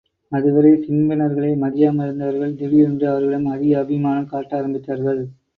அதுவரை ஸின்பினர்களை மதியாமல் இருந்தவர்கள் திடீரென்று அவர்களிடம் அதிக அபிமானம் காட்ட ஆரம்பித்தார்கள்.